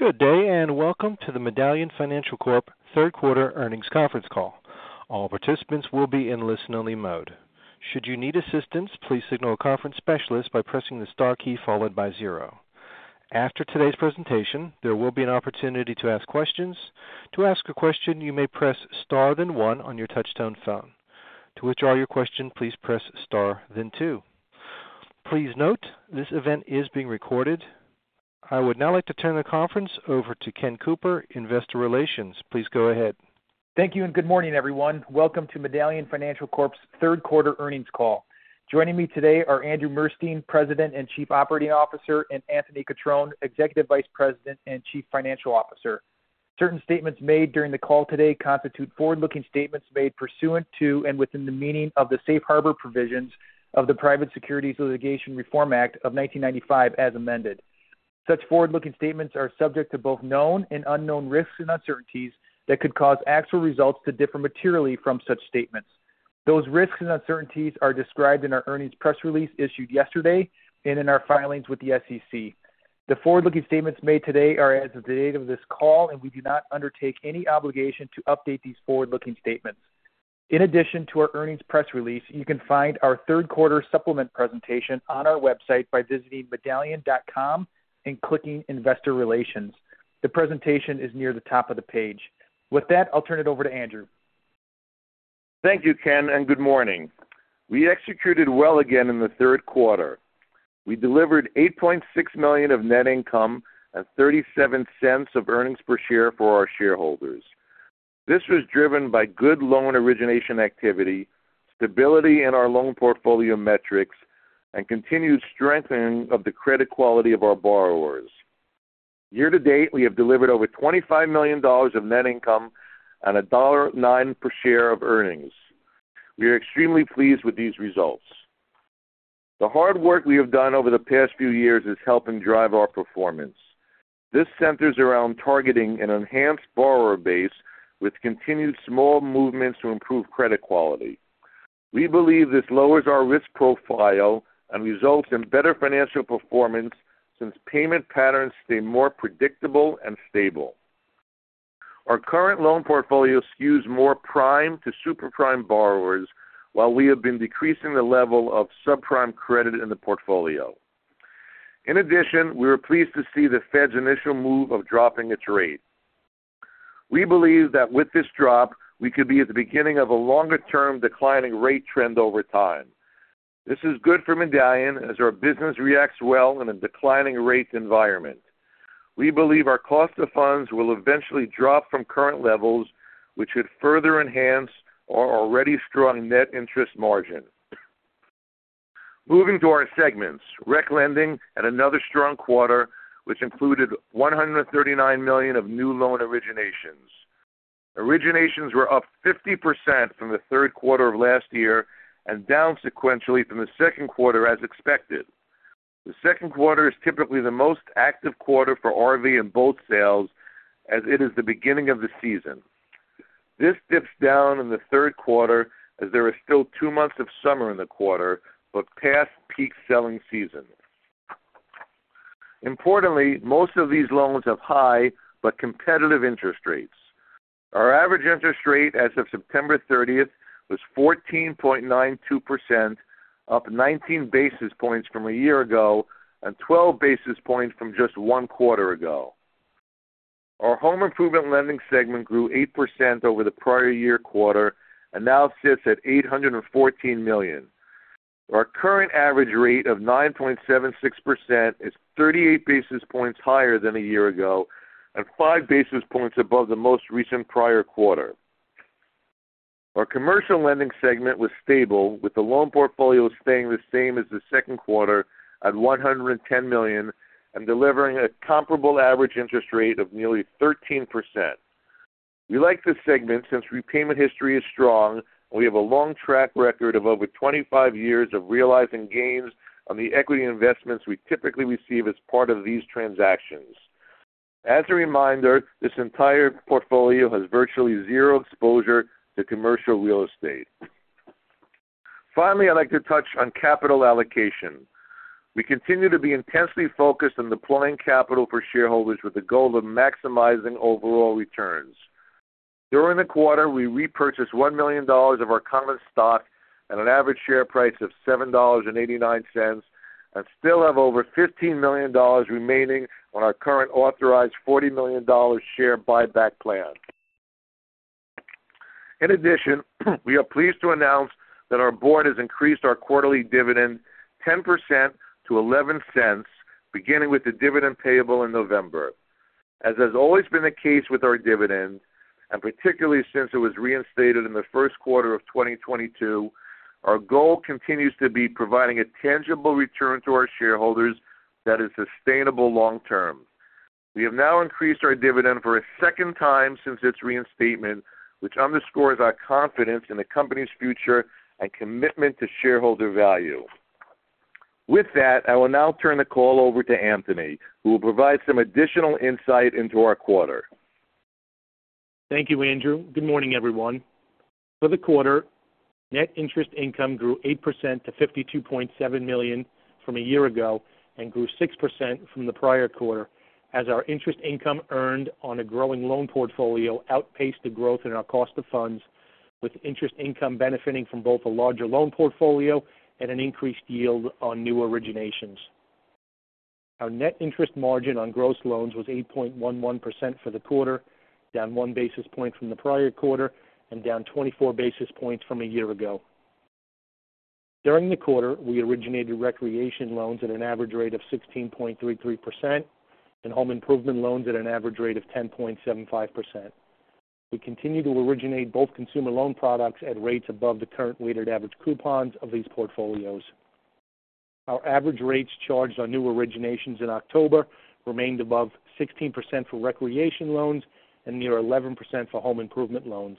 Good day and welcome to the Medallion Financial Corp Q3 Earnings Conference Call. All participants will be in listen-only mode. Should you need assistance, please signal a conference specialist by pressing the star key followed by zero. After today's presentation, there will be an opportunity to ask questions. To ask a question, you may press star then one on your touchtone phone. To withdraw your question, please press star then two. Please note this event is being recorded. I would now like to turn the conference over to Ken Cooper, Investor Relations. Please go ahead. Thank you and good morning, everyone. Welcome to Medallion Financial Corp's Q3 Earnings Call. Joining me today are Andrew Murstein, President and Chief Operating Officer, and Anthony Cutrone, Executive Vice President and Chief Financial Officer. Certain statements made during the call today constitute forward-looking statements made pursuant to and within the meaning of the safe harbor provisions of the Private Securities Litigation Reform Act of 1995 as amended. Such forward-looking statements are subject to both known and unknown risks and uncertainties that could cause actual results to differ materially from such statements. Those risks and uncertainties are described in our earnings press release issued yesterday and in our filings with the SEC. The forward-looking statements made today are as of the date of this call, and we do not undertake any obligation to update these forward-looking statements. In addition to our earnings press release, you can find our Q3 supplement presentation on our website by visiting medallion.com and clicking Investor Relations. The presentation is near the top of the page. With that, I'll turn it over to Andrew. Thank you, Ken, and good morning. We executed well again in the Q3. We delivered $8.6 million of net income and $0.37 of earnings per share for our shareholders. This was driven by good loan origination activity, stability in our loan portfolio metrics, and continued strengthening of the credit quality of our borrowers. Year to date, we have delivered over $25 million of net income and $1.09 per share of earnings. We are extremely pleased with these results. The hard work we have done over the past few years is helping drive our performance. This centers around targeting an enhanced borrower base with continued small movements to improve credit quality. We believe this lowers our risk profile and results in better financial performance since payment patterns stay more predictable and stable. Our current loan portfolio skews more prime to super prime borrowers, while we have been decreasing the level of subprime credit in the portfolio. In addition, we were pleased to see the Fed's initial move of dropping its rate. We believe that with this drop, we could be at the beginning of a longer-term declining rate trend over time. This is good for Medallion as our business reacts well in a declining rate environment. We believe our cost of funds will eventually drop from current levels, which would further enhance our already strong net interest margin. Moving to our segments, rec lending had another strong quarter, which included $139 million of new loan originations. Originations were up 50% from the Q3 of last year and down sequentially from the Q2 as expected. The Q2 is typically the most active quarter for RV and boat sales as it is the beginning of the season. This dips down in the Q3 as there are still two months of summer in the quarter, but past peak selling season. Importantly, most of these loans have high but competitive interest rates. Our average interest rate as of September 30th was 14.92%, up 19 basis points from a year ago and 12 basis points from just one quarter ago. Our home improvement lending segment grew 8% over the prior year quarter and now sits at $814 million. Our current average rate of 9.76% is 38 basis points higher than a year ago and five basis points above the most recent prior quarter. Our commercial lending segment was stable, with the loan portfolio staying the same as the Q2 at $110 million and delivering a comparable average interest rate of nearly 13%. We like this segment since repayment history is strong and we have a long track record of over 25 years of realizing gains on the equity investments we typically receive as part of these transactions. As a reminder, this entire portfolio has virtually zero exposure to commercial real estate. Finally, I'd like to touch on capital allocation. We continue to be intensely focused on deploying capital for shareholders with the goal of maximizing overall returns. During the quarter, we repurchased $1 million of our common stock at an average share price of $7.89 and still have over $15 million remaining on our current authorized $40 million share buyback plan. In addition, we are pleased to announce that our board has increased our quarterly dividend 10% to $0.11, beginning with the dividend payable in November. As has always been the case with our dividend, and particularly since it was reinstated in the Q1 of 2022, our goal continues to be providing a tangible return to our shareholders that is sustainable long term. We have now increased our dividend for a second time since its reinstatement, which underscores our confidence in the company's future and commitment to shareholder value. With that, I will now turn the call over to Anthony, who will provide some additional insight into our quarter. Thank you, Andrew. Good morning, everyone. For the quarter, net interest income grew 8% to $52.7 million from a year ago and grew 6% from the prior quarter as our interest income earned on a growing loan portfolio outpaced the growth in our cost of funds, with interest income benefiting from both a larger loan portfolio and an increased yield on new originations. Our net interest margin on gross loans was 8.11% for the quarter, down one basis point from the prior quarter and down 24 basis points from a year ago. During the quarter, we originated recreation loans at an average rate of 16.33% and home improvement loans at an average rate of 10.75%. We continue to originate both consumer loan products at rates above the current weighted average coupons of these portfolios. Our average rates charged on new originations in October remained above 16% for recreation loans and near 11% for home improvement loans.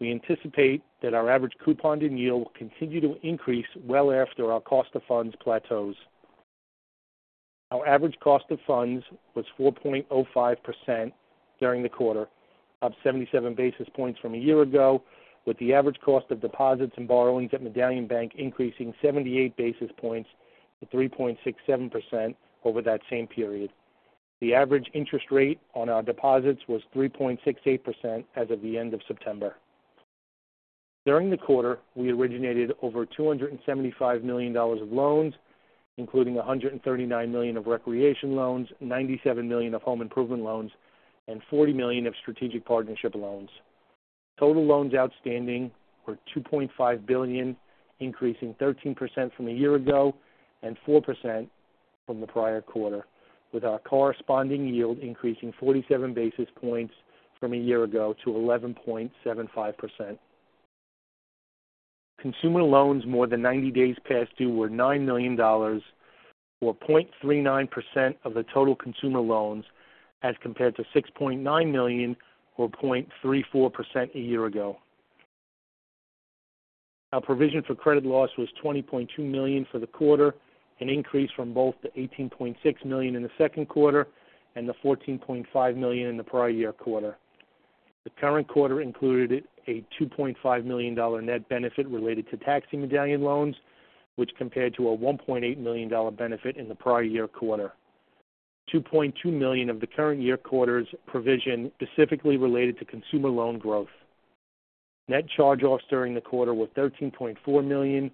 We anticipate that our average coupon yield will continue to increase well after our cost of funds plateaus. Our average cost of funds was 4.05% during the quarter, up 77 basis points from a year ago, with the average cost of deposits and borrowings at Medallion Bank increasing 78 basis points to 3.67% over that same period. The average interest rate on our deposits was 3.68% as of the end of September. During the quarter, we originated over $275 million of loans, including 139 million of recreation loans, 97 million of home improvement loans, and 40 million of strategic partnership loans. Total loans outstanding were $2.5 billion, increasing 13% from a year ago and 4% from the prior quarter, with our corresponding yield increasing 47 basis points from a year ago to 11.75%. Consumer loans more than 90 days past due were $9 million, or 0.39% of the total consumer loans, as compared to $6.9 million, or 0.34% a year ago. Our provision for credit loss was $20.2 million for the quarter, an increase from both the $18.6 million in the Q2 and the $14.5 million in the prior year quarter. The current quarter included a $2.5 million net benefit related to taxing medallion loans, which compared to a $1.8 million benefit in the prior year quarter. $2.2 million of the current year quarter's provision specifically related to consumer loan growth. Net charge-offs during the quarter were $13.4 million,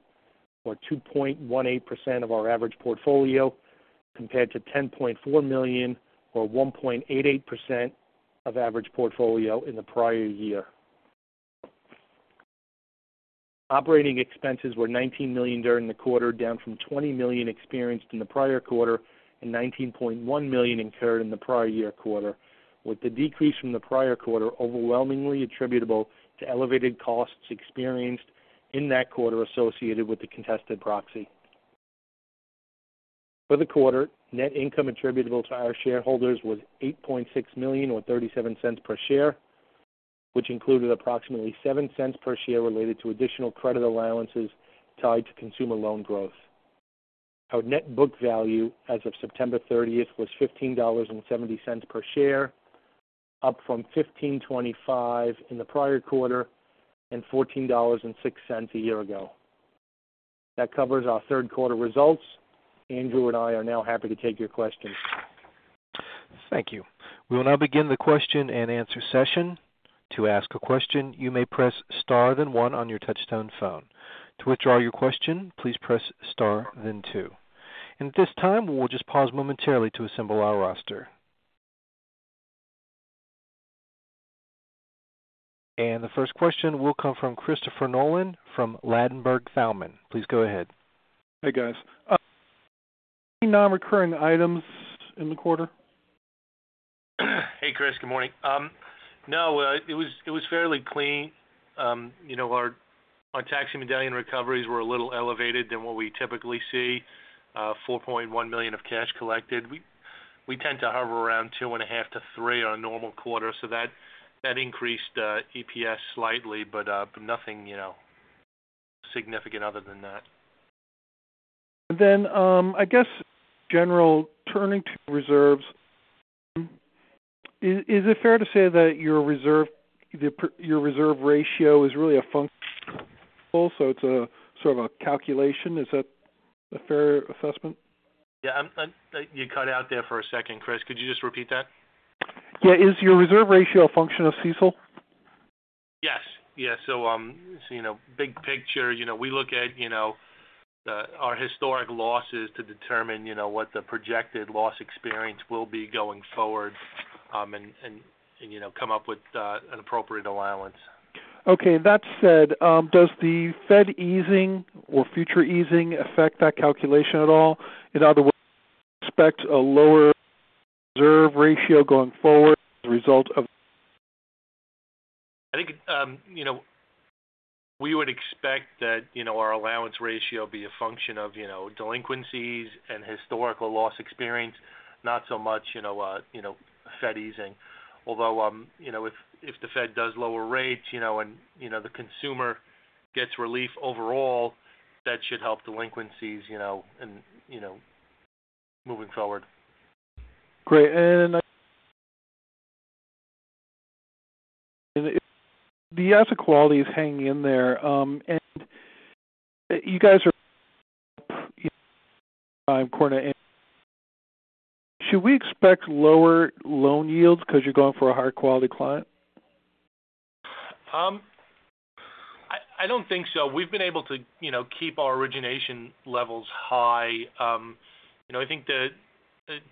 or 2.18% of our average portfolio, compared to $10.4 million, or 1.88% of average portfolio in the prior year. Operating expenses were $19 million during the quarter, down from $20 million experienced in the prior quarter and $19.1 million incurred in the prior year quarter, with the decrease from the prior quarter overwhelmingly attributable to elevated costs experienced in that quarter associated with the contested proxy. For the quarter, net income attributable to our shareholders was $8.6 million, or $0.37 per share, which included approximately $0.07 per share related to additional credit allowances tied to consumer loan growth. Our net book value as of September 30th was $15.70 per share, up from $15.25 in the prior quarter and $14.06 a year ago. That covers our Q3 results. Andrew and I are now happy to take your questions. Thank you. We will now begin the Q&A session. To ask a question, you may press star then one on your touchtone phone. To withdraw your question, please press star then two. And at this time, we'll just pause momentarily to assemble our roster. And the first question will come from Christopher Nolan from Ladenburg Thalmann. Please go ahead. Hey, guys. Any non-recurring items in the quarter? Hey, Chris. Good morning. No, it was fairly clean. Our taxi medallion recoveries were a little elevated than what we typically see, $4.1 million of cash collected. We tend to hover around $2.5 million to $3 million on a normal quarter, so that increased EPS slightly, but nothing significant other than that. Then, I guess, generally turning to reserves. Is it fair to say that your reserve ratio is really a function of CECL, so it's a sort of a calculation? Is that a fair assessment? You cut out there for a second, Chris. Could you just repeat that? Is your reserve ratio a function of CECL? Yes. So, big picture, we look at our historic losses to determine what the projected loss experience will be going forward and come up with an appropriate allowance. Okay. That said, does the Fed easing or future easing affect that calculation at all? In other words, expect a lower reserve ratio going forward as a result of? I think we would expect that our allowance ratio be a function of delinquencies and historical loss experience, not so much Fed easing. Although if the Fed does lower rates and the consumer gets relief overall, that should help delinquencies moving forward. Great. And the asset quality is hanging in there. And you guys are up five quarters to eight. Should we expect lower loan yields because you're going for a higher quality client? I don't think so. We've been able to keep our origination levels high. I think that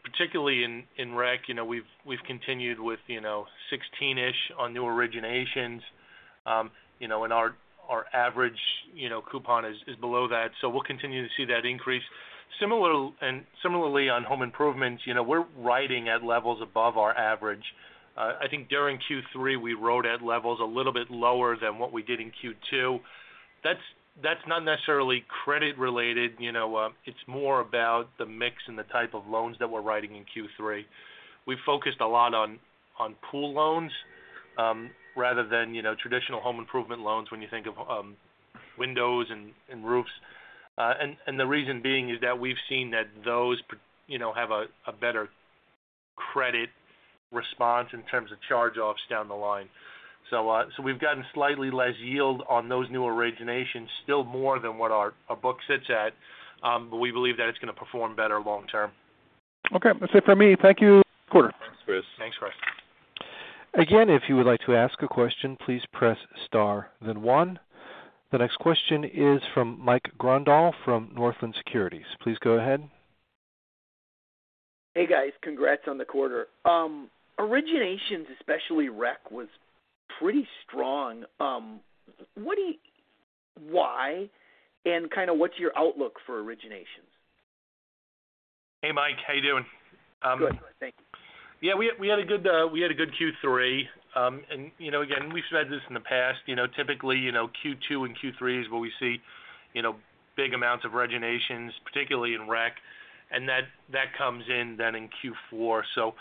particularly in rec, we've continued with 16-ish on new originations, and our average coupon is below that. So we'll continue to see that increase. Similarly, on home improvements, we're writing at levels above our average. I think during Q3, we wrote at levels a little bit lower than what we did in Q2. That's not necessarily credit-related. It's more about the mix and the type of loans that we're writing in Q3. We focused a lot on pool loans rather than traditional home improvement loans when you think of windows and roofs. And the reason being is that we've seen that those have a better credit response in terms of charge-offs down the line. So we've gotten slightly less yield on those new originations, still more than what our book sits at, but we believe that it's going to perform better long term. Okay. That's it for me. Thank you. Quarter. Thanks, Chris. Again, if you would like to ask a question, please press star then one. The next question is from Mike Grondahl from Northland Securities. Please go ahead. Hey, guys. Congrats on the quarter. Originations, especially rec, was pretty strong. Why? And kind of what's your outlook for originations? Hey, Mike. How you doing? Good. Thank you. We had a good Q3. And again, we've said this in the past. Typically, Q2 and Q3 is where we see big amounts of originations, particularly in rec, and that comes in then in Q4. So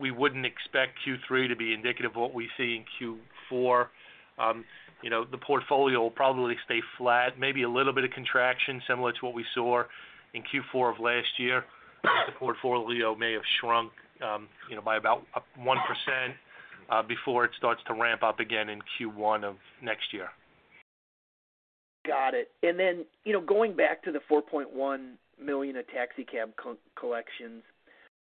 we wouldn't expect Q3 to be indicative of what we see in Q4. The portfolio will probably stay flat, maybe a little bit of contraction similar to what we saw in Q4 of last year. The portfolio may have shrunk by about 1% before it starts to ramp up again in Q1 of next year. Got it. And then going back to the $4.1 million of taxicab collections,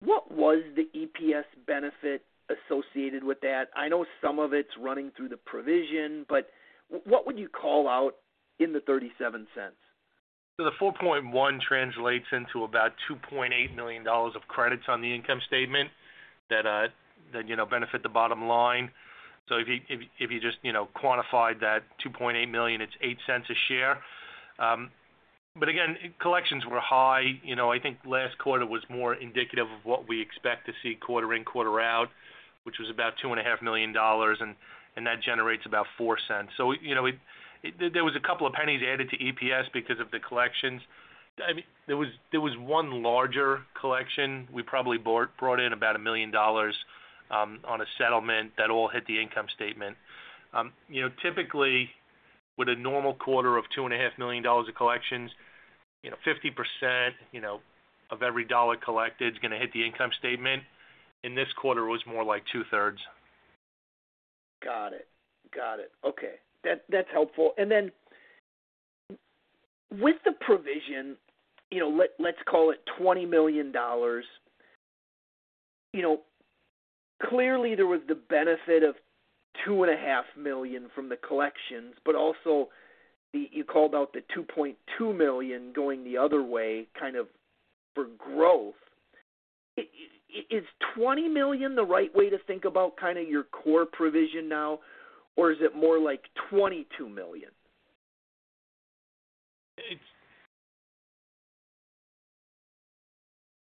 what was the EPS benefit associated with that? I know some of it's running through the provision, but what would you call out in the $0.37? The 4.1 translates into about $2.8 million of credits on the income statement that benefit the bottom line. So if you just quantified that 2.8 million, it's 8 cents a share. But again, collections were high. I think last quarter was more indicative of what we expect to see quarter in, quarter out, which was about $2.5 million, and that generates about 4 cents. So there was a couple of pennies added to EPS because of the collections. There was one larger collection. We probably brought in about $1 million on a settlement that all hit the income statement. Typically, with a normal quarter of $2.5 million of collections, 50% of every dollar collected is going to hit the income statement. In this quarter, it was more like two-thirds. Got it. Got it. Okay. That's helpful. And then with the provision, let's call it $20 million, clearly there was the benefit of $2.5 million from the collections, but also you called out the $2.2 million going the other way kind of for growth. Is $20 million the right way to think about kind of your core provision now, or is it more like $22 million?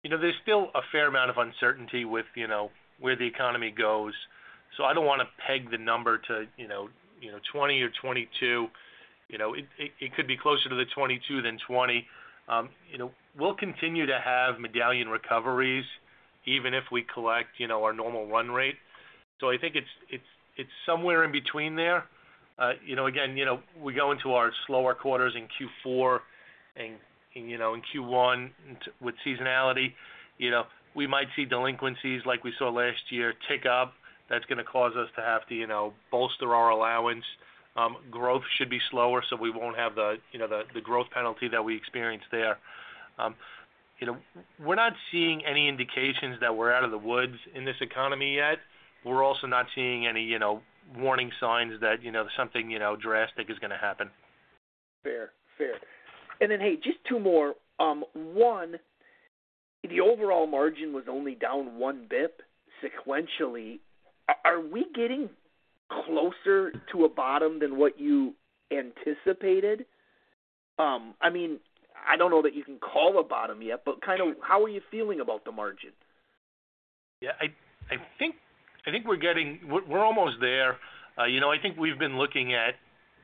There's still a fair amount of uncertainty with where the economy goes. So I don't want to peg the number to 20 or 22. It could be closer to the 22 than 20. We'll continue to have Medallion recoveries even if we collect our normal run rate. So I think it's somewhere in between there. Again, we go into our slower quarters in Q4 and in Q1 with seasonality. We might see delinquencies like we saw last year tick up. That's going to cause us to have to bolster our allowance. Growth should be slower, so we won't have the growth penalty that we experienced there. We're not seeing any indications that we're out of the woods in this economy yet. We're also not seeing any warning signs that something drastic is going to happen. Fair. Fair. And then hey, just two more. One, the overall margin was only down one basis point sequentially. Are we getting closer to a bottom than what you anticipated? I mean, I don't know that you can call a bottom yet, but kind of how are you feeling about the margin? We're almost there. I think we've been looking at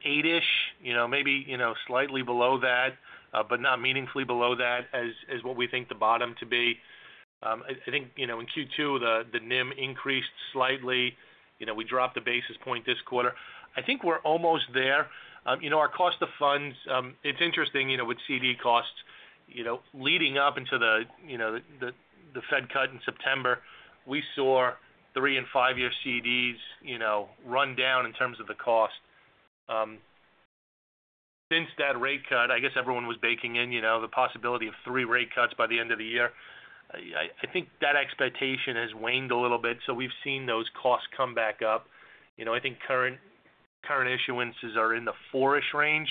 8-ish, maybe slightly below that, but not meaningfully below that is what we think the bottom to be. I think in Q2, the NIM increased slightly. We dropped a basis point this quarter. I think we're almost there. Our cost of funds, it's interesting with CD costs leading up into the Fed cut in September, we saw three and five-year CDs run down in terms of the cost. Since that rate cut, I guess everyone was baking in the possibility of three rate cuts by the end of the year. I think that expectation has waned a little bit, so we've seen those costs come back up. I think current issuances are in the 4-ish range.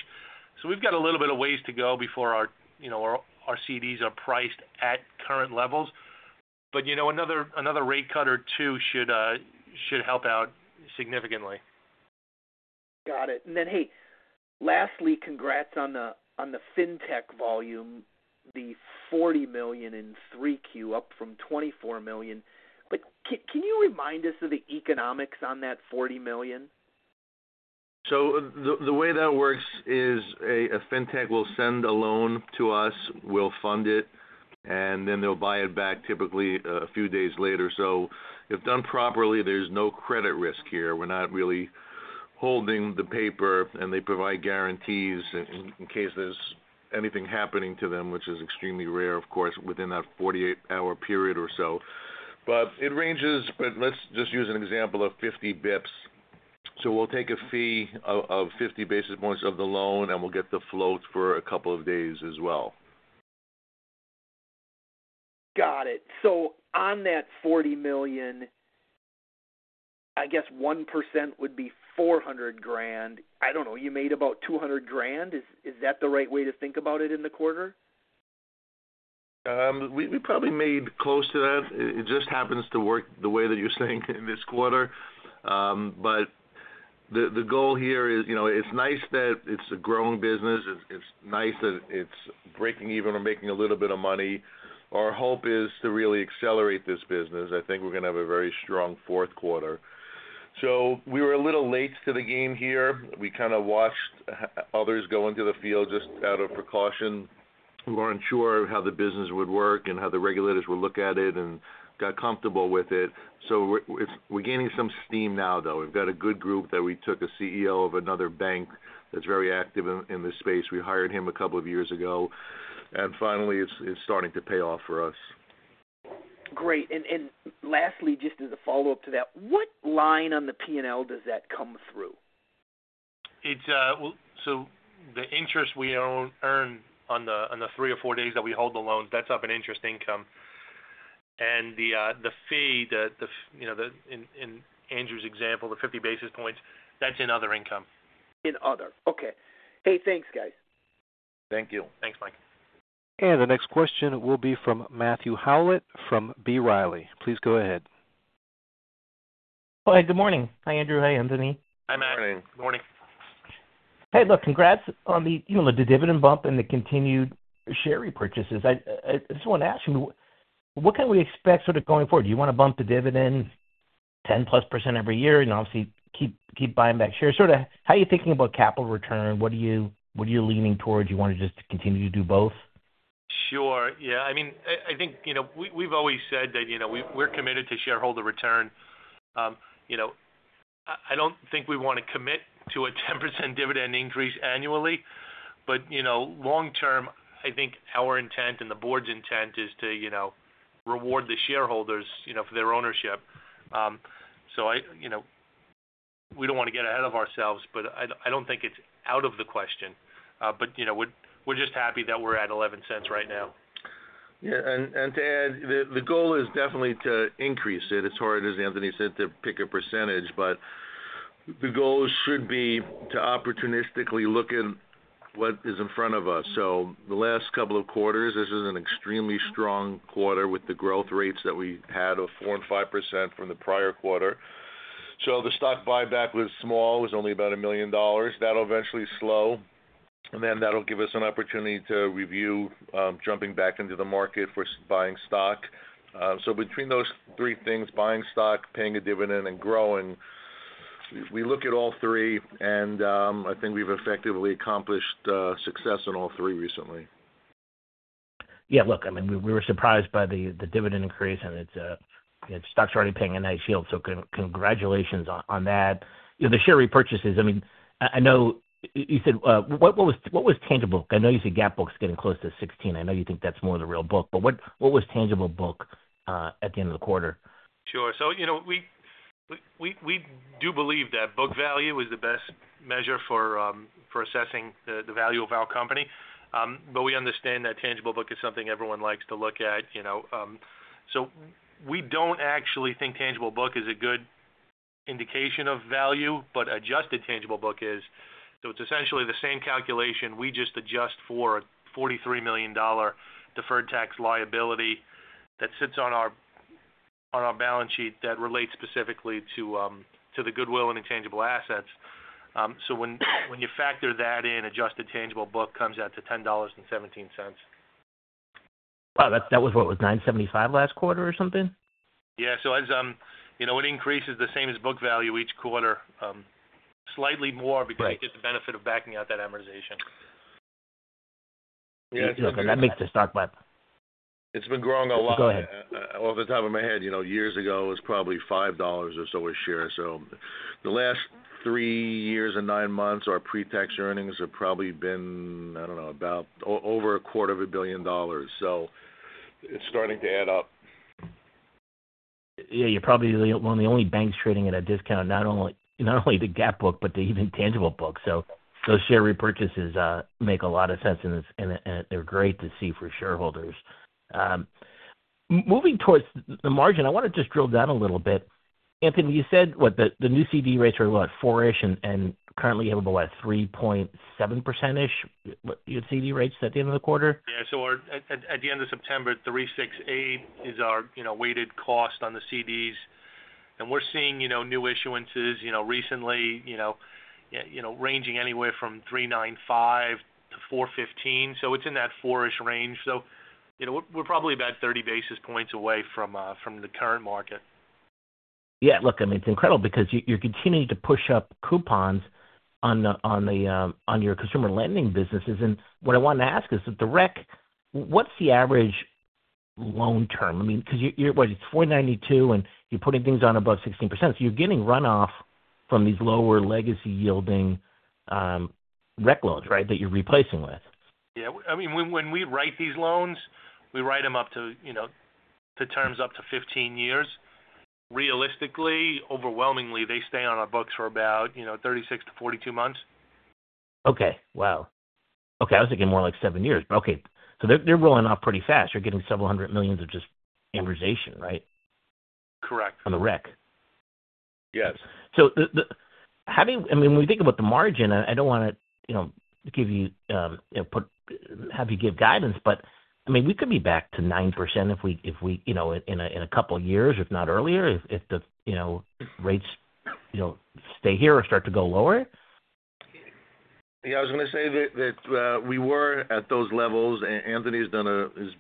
So we've got a little bit of ways to go before our CDs are priced at current levels. But another rate cut or two should help out significantly. Got it. And then hey, lastly, congrats on the fintech volume, the $40 million in 3Q, up from $24 million. But can you remind us of the economics on that $40 million? So the way that works is a fintech will send a loan to us, we'll fund it, and then they'll buy it back typically a few days later. So if done properly, there's no credit risk here. We're not really holding the paper, and they provide guarantees in case there's anything happening to them, which is extremely rare, of course, within that 48-hour period or so. But it ranges, but let's just use an example of 50 basis points. So we'll take a fee of 50 basis points of the loan, and we'll get the float for a couple of days as well. Got it. So on that $40 million, I guess 1% would be $400,000. I don't know. You made about $200,000. Is that the right way to think about it in the quarter? We probably made close to that. It just happens to work the way that you're saying in this quarter. But the goal here is it's nice that it's a growing business. It's nice that it's breaking even or making a little bit of money. Our hope is to really accelerate this business. I think we're going to have a very strong Q4. So we were a little late to the game here. We kind of watched others go into the field just out of precaution. We weren't sure how the business would work and how the regulators would look at it and got comfortable with it. So we're gaining some steam now, though. We've got a good group that we took a CEO of another bank that's very active in this space. We hired him a couple of years ago. And finally, it's starting to pay off for us. Great. And lastly, just as a follow-up to that, what line on the P&L does that come through? So the interest we earn on the three or four days that we hold the loans, that's up in interest income. And the fee, in Andrew's example, the 50 basis points, that's in other income. In other. Okay. Hey, thanks, guys. Thank you. Thanks, Mike. The next question will be from Matthew Howlett from B. Riley. Please go ahead. Hey, good morning. Hi, Andrew. Hi, Anthony. Hi, Matt. Good morning. Hey, look, congrats on the dividend bump and the continued share repurchases. I just want to ask you, what can we expect sort of going forward? Do you want to bump the dividend 10-plus% every year and obviously keep buying back shares? Sort of how are you thinking about capital return? What are you leaning towards? You want to just continue to do both? Sure. We've always said that we're committed to shareholder return. I don't think we want to commit to a 10% dividend increase annually, but long term, I think our intent and the board's intent is to reward the shareholders for their ownership. So we don't want to get ahead of ourselves, but I don't think it's out of the question, but we're just happy that we're at $0.11 right now. And to add, the goal is definitely to increase it as far as Anthony said, to pick a percentage. But the goal should be to opportunistically look at what is in front of us, so the last couple of quarters, this is an extremely strong quarter with the growth rates that we had of 4% and 5% from the prior quarter. So the stock buyback was small, was only about $1 million. That'll eventually slow. And then that'll give us an opportunity to review jumping back into the market for buying stock. So between those three things, buying stock, paying a dividend, and growing, we look at all three. And I think we've effectively accomplished success in all three recently. Look, I mean, we were surprised by the dividend increase, and stocks are already paying a nice yield. So congratulations on that. The share repurchases, I mean, I know you said what was tangible? I know you said tangible book's getting close to 16. I know you think that's more the real book. But what was tangible book at the end of the quarter? Sure. So we do believe that book value is the best measure for assessing the value of our company. But we understand that tangible book is something everyone likes to look at. So we don't actually think tangible book is a good indication of value, but adjusted tangible book is. So it's essentially the same calculation. We just adjust for a $43 million deferred tax liability that sits on our balance sheet that relates specifically to the goodwill and intangible assets. So when you factor that in, adjusted tangible book comes out to $10.17. Wow, that was what? It was 9.75 last quarter or something? So it increases the same as book value each quarter, slightly more because you get the benefit of backing out that amortization. That makes the stock buyback. It's been growing a lot. Go ahead. Off the top of my head, years ago, it was probably $5 or so a share. So the last three years and nine months, our pre-tax earnings have probably been, I don't know, about over $250 million. So it's starting to add up. You're probably one of the only banks trading at a discount, not only to GAAP Book, but to even Tangible Book. So those share repurchases make a lot of sense, and they're great to see for shareholders. Moving towards the margin, I want to just drill down a little bit. Anthony, you said the new CD rates are about 4-ish and currently have about 3.7%-ish CD rates at the end of the quarter. So at the end of September, 368 is our weighted cost on the CDs. And we're seeing new issuances recently ranging anywhere from 395-415. So it's in that 4-ish range. So we're probably about 30 basis points away from the current market. Look, it's incredible because you're continuing to push up coupons on your consumer lending businesses. And what I wanted to ask is, with the REC, what's the average loan term?I mean, because you're what, it's 492, and you're putting things on above 16%. So you're getting runoff from these lower legacy-yielding REC loans, right, that you're replacing with. When we write these loans, we write them up to terms up to 15 years. Realistically, overwhelmingly, they stay on our books for about 36 to 42 months. Okay. Wow. Okay. I was thinking more like seven years. But okay. So they're rolling off pretty fast. You're getting several hundred millions of just amortization, right, on the REC? Yes. I mean, when we think about the margin, I don't want to give you guidance. But I mean, we could be back to 9% in a couple of years, if not earlier, if the rates stay here or start to go lower. I was going to say that we were at those levels. Anthony is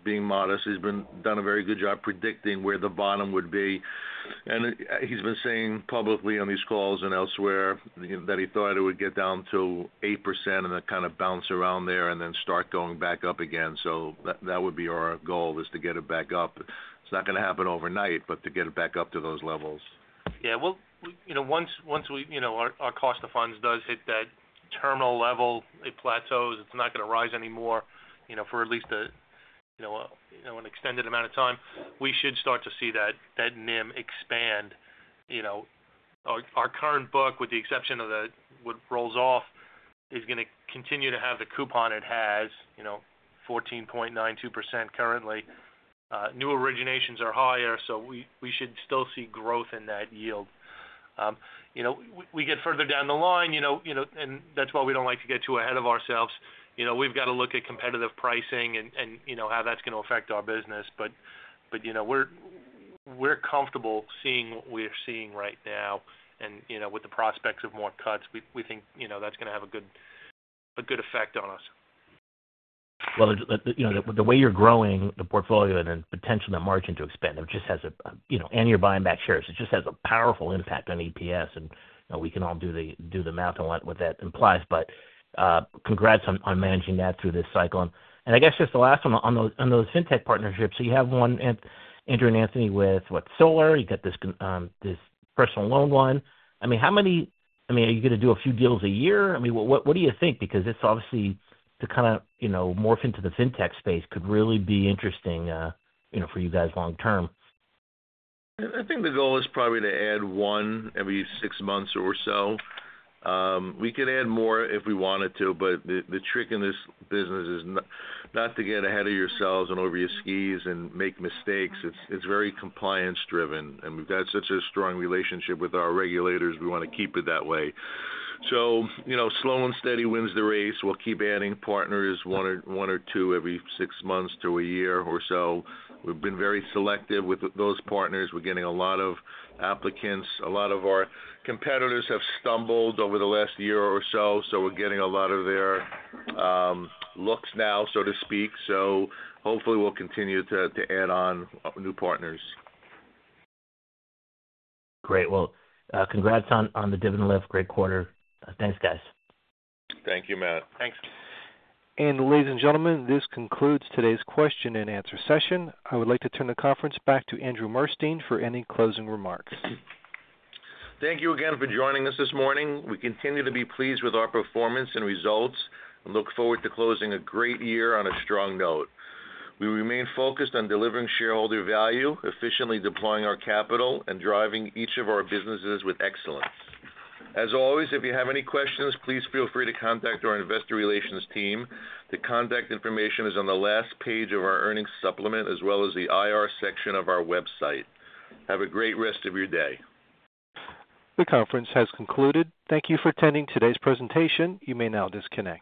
being modest. He's done a very good job predicting where the bottom would be. And he's been saying publicly on these calls and elsewhere that he thought it would get down to 8% and then kind of bounce around there and then start going back up again. So that would be our goal, is to get it back up. It's not going to happen overnight, but to get it back up to those levels. Once our cost of funds does hit that terminal level, it plateaus. It's not going to rise anymore for at least an extended amount of time. We should start to see that NIM expand. Our current book, with the exception of what rolls off, is going to continue to have the coupon it has, 14.92% currently. New originations are higher, so we should still see growth in that yield. We get further down the line, and that's why we don't like to get too ahead of ourselves. We've got to look at competitive pricing and how that's going to affect our business. But we're comfortable seeing what we're seeing right now. And with the prospects of more cuts, we think that's going to have a good effect on us. The way you're growing the portfolio and then potentially that margin to expand, and you're buying back shares. It just has a powerful impact on EPS. We can all do the math and what that implies. Congrats on managing that through this cycle. I guess just the last one on those fintech partnerships. You have one, Andrew and Anthony, with, what, Solar. You've got this personal loan one. I mean, how many I mean, are you going to do a few deals a year? I mean, what do you think? Because it's obviously to kind of morph into the fintech space could really be interesting for you guys long term. I think the goal is probably to add one every six months or so. We could add more if we wanted to. But the trick in this business is not to get ahead of yourselves and over your skis and make mistakes. It's very compliance-driven. And we've got such a strong relationship with our regulators. We want to keep it that way. So slow and steady wins the race. We'll keep adding partners, one or two every six months to a year or so. We've been very selective with those partners. We're getting a lot of applicants. A lot of our competitors have stumbled over the last year or so. So we're getting a lot of their looks now, so to speak. So hopefully, we'll continue to add on new partners. Great. Congrats on the dividend lift. Great quarter. Thanks, guys. Thank you, Matt. Thanks. Ladies and gentlemen, this concludes today's Q&A session. I would like to turn the conference back to Andrew Murstein for any closing remarks. Thank you again for joining us this morning. We continue to be pleased with our performance and results and look forward to closing a great year on a strong note. We remain focused on delivering shareholder value, efficiently deploying our capital, and driving each of our businesses with excellence. As always, if you have any questions, please feel free to contact our investor relations team. The contact information is on the last page of our earnings supplement as well as the IR section of our website. Have a great rest of your day. The conference has concluded. Thank you for attending today's presentation. You may now disconnect.